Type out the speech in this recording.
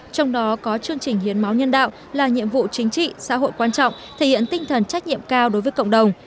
trong đó có chương trình hiến máu nhân đạo là nhiệm vụ chính trị xã hội quan trọng thể hiện tinh thần trách nhiệm cao đối với cộng đồng